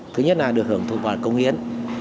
thứ nhất là được hưởng thụ vào công nghiên